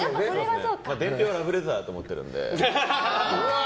伝票がラブレターだと思っているので。